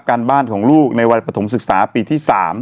การบ้านของลูกในวันปฐมศึกษาปีที่๓